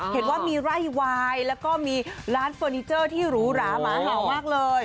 เห็นว่ามีไร่วายแล้วก็มีร้านเฟอร์นิเจอร์ที่หรูหราหมาเห่ามากเลย